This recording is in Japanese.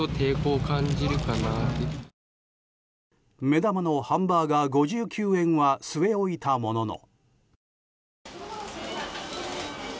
目玉のハンバーガー５９円は据え置いたものの。